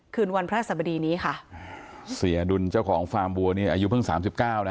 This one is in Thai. คืนวันพระสบดีนี้ค่ะเสียดุลเจ้าของฟาร์มบัวนี่อายุเพิ่งสามสิบเก้านะ